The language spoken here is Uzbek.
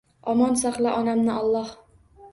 Omon saqla onamni Alloh